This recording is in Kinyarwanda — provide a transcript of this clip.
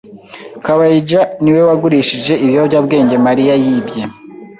Kabayija niwe wagurishije ibiyobyabwenge Mariya yibye.